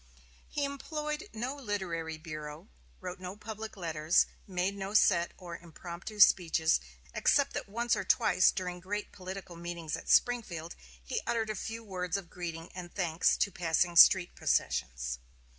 He employed no literary bureau, wrote no public letters, made no set or impromptu speeches, except that once or twice during great political meetings at Springfield he uttered a few words of greeting and thanks to passing street processions.